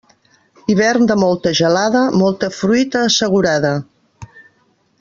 Hivern de molta gelada, molta fruita assegurada.